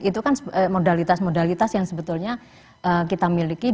itu kan modalitas modalitas yang sebetulnya kita miliki